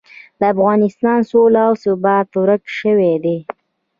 د افغانستان سوله او ثبات ورک شوي دي.